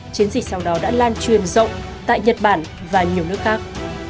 chiến dịch sau đó đã lan truyền rộng tại nhật bản và nhiều nước khác